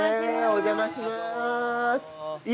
お邪魔します。